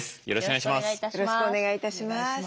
よろしくお願いします。